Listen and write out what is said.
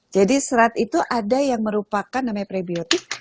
jadi serat itu ada yang merupakan namanya prebiotik